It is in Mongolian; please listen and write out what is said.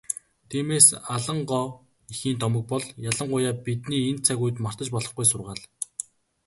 Тиймээс, Алан гоо эхийн домог бол ялангуяа бидний энэ цаг үед мартаж болохгүй сургаал.